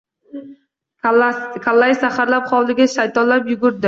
Kallai saharlab hovlida shaytonlab yuribdi